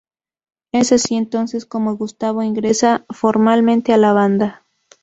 Es así entonces como Gustavo ingresa formalmente a la banda.